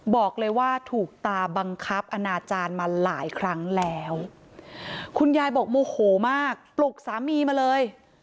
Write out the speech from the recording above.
บอกเลยว่าถูกตาบังคับอนาจารย์มาหลายครั้งแล้วคุณยายบอกโมโหมากปลุกสามีมาเลย